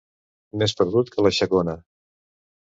Més perdut que la Xacona.